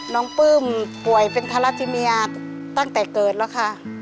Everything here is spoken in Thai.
ปลื้มป่วยเป็นทาราทิเมียตั้งแต่เกิดแล้วค่ะ